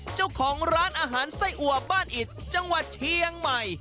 เจ้าของร้านอาหารไส้อัวบ้านอิดจังหวัดเชียงใหม่